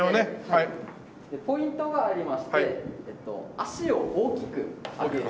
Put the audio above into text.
ポイントがありまして足を大きく上げる。